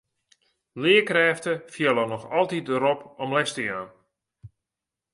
Learkrêften fiele noch altyd de rop om les te jaan.